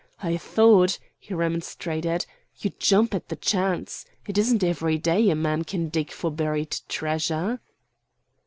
I thought," he remonstrated, "you'd jump at the chance. It isn't every day a man can dig for buried treasure."